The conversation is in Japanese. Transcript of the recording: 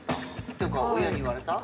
っていうか親に言われた？